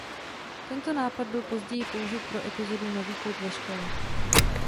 Tento nápad byl později použit pro epizodu "Nový kluk ve škole".